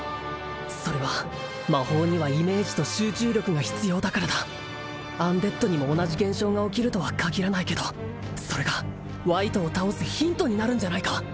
それは魔法にはイメージと集中力が必要だからだアンデッドにも同じ現象が起きるとは限らないけどそれがワイトを倒すヒントになるんじゃないか？